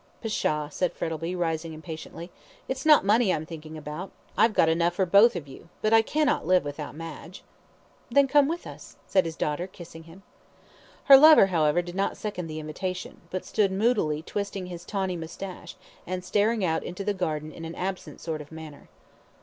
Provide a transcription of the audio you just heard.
"Pshaw!" said Frettlby, rising impatiently. "It's not money I'm thinking about I've got enough for both of you; but I cannot live without Madge." "Then come with us," said his daughter, kissing him. Her lover, however, did not second the invitation, but stood moodily twisting his tawny moustache, and staring out into the garden in an absent sort of manner.